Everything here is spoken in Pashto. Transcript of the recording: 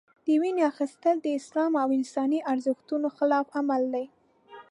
د وینو اخیستل د اسلام او انساني ارزښتونو خلاف عمل دی.